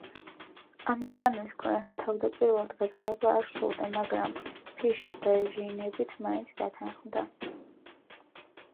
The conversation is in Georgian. ამ უკანასკნელს თავდაპირველად გადაღება არ სურდა, მაგრამ, ფიშის დაჟინებით მაინც დათანხმდა.